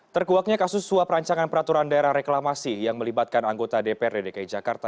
terkuaknya kasus suap rancangan peraturan daerah reklamasi yang melibatkan anggota dprd dki jakarta